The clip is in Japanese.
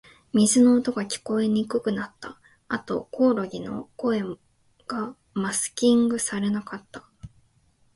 水の音が、聞こえにくくなった。あと、コオロギの声がマスキングされなかった。